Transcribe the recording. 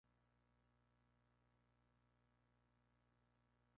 Bustamante García nació en el municipio de Zipaquirá.